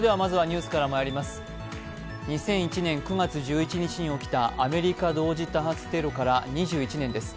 ２００１年９月１１日に起きたアメリカ同時多発テロから２１年です。